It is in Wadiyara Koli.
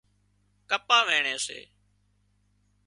ڪپا وينڻي سي